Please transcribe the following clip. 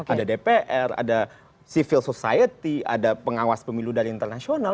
ada dpr ada civil society ada pengawas pemilu dari internasional